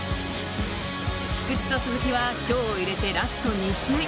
菊池と鈴木は今日を入れてラスト２試合。